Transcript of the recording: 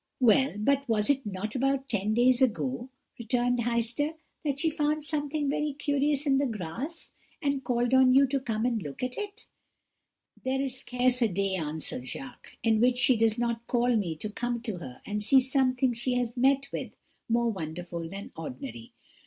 "'Well, but was it not about ten days ago,' returned Heister, 'that she found something very curious in the grass, and called on you to come and look at it?' "'There is scarce a day,' answered Jacques, 'in which she does not call me to come to her and see something she has met with more wonderful than ordinary.